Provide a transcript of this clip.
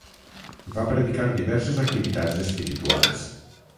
Va predicar diverses activitats espirituals.